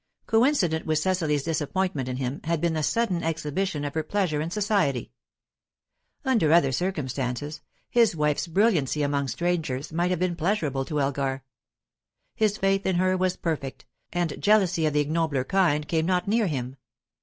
Coincident with Cecily's disappointment in him had been the sudden exhibition of her pleasure in society. Under other circumstances, his wife's brilliancy among strangers might have been pleasurable to Elgar. His faith in her was perfect, and jealousy of the ignobler kind came not near him.